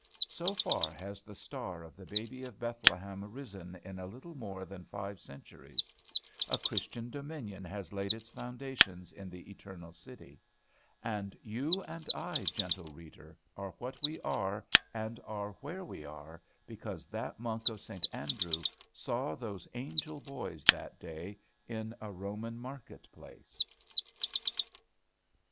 So far has the star of the baby of Bethlehem risen in a little more than five centuries. A Christian dominion has laid its foundations in the Eternal City. And you and I, gentle reader, are what we are and are where we are because that monk of St. Andrew saw those angel boys that day in a Roman market place.